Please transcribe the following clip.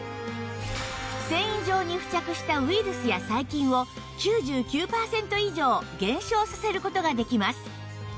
繊維上に付着したウイルスや細菌を９９パーセント以上減少させる事ができます